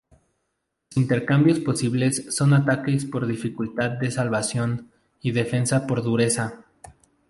Los intercambios posibles son Ataque por Dificultad de Salvación, y Defensa por Dureza.